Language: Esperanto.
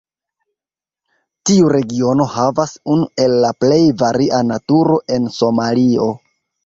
Tiu regiono havas unu el la plej varia naturo en Somalio.